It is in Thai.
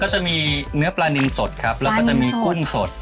จะมีเนื้อปลานินสดครับแล้วก็จะมีกุ้งสด